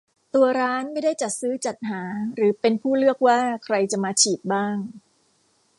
ตัวร้านไม่ได้จัดซื้อจัดหาหรือเป็นผู้เลือกว่าใครจะมาฉีดบ้าง